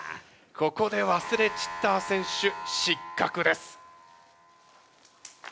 ここでワスレ・チッター選手失格です。